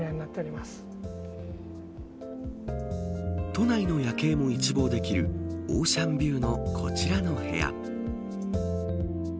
都内の夜景も一望できるオーシャンビューのこちらの部屋。